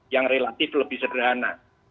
yang relatif lebih sederhana